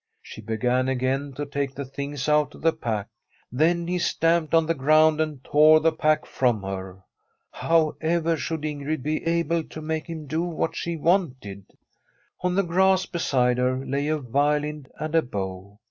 She began again to take the things out of the pack. Then he stamped on the ground and tore the pack from her. However should Ingrid be able to make him do what she wanted? On the grass beside her lay a violin and a bow.